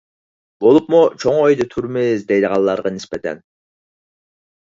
بولۇپمۇ چوڭ ئۆيدە تۇرىمىز دەيدىغانلارغا نىسبەتەن.